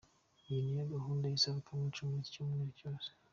Iyi niyo gahunda y'iserukiramuco muri iki cyumweru cyose.